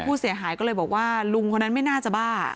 ผู้เสียหายก็เลยบอกว่าลุงคนนั้นไม่น่าจะบ้า